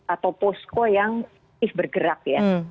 atau posko yang bergerak ya